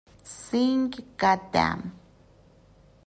Sing: Goddamm.